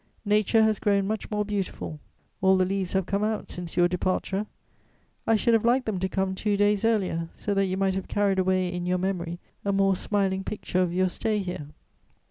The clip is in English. "Nature has grown much more beautiful; all the leaves have come out since your departure: I should have liked them to come two days earlier, so that you might have carried away in your memory a more smiling picture of your stay here."